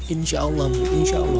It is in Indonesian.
insya allah bu insya allah